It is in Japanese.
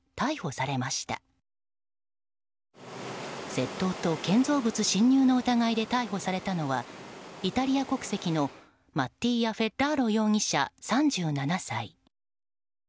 窃盗と建造物侵入の疑いで逮捕されたのはイタリア国籍のマッティーア・フェッラーロ容疑者、３７歳。